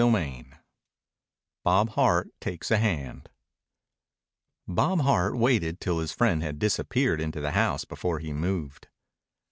CHAPTER VII BOB HART TAKES A HAND Bob Hart waited till his friend had disappeared into the house before he moved.